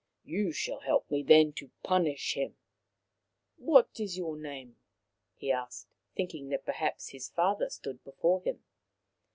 You shall help me then to punish him. What is your name ?" he asked, thinking that perhaps his father stood before him.